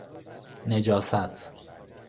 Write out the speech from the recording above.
نجاست